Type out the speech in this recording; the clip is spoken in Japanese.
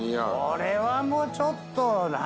これはもうちょっと何これ？